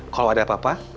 kalo ada apa apa